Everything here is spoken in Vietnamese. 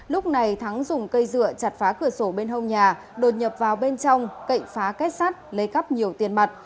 lúc này thắng dùng cây dựa chặt phá cửa sổ bên hông nhà đột nhập vào bên trong cậy phá kết sắt lấy cắp nhiều tiền mặt